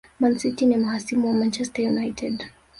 Man city ni mahasimu wa Manchester United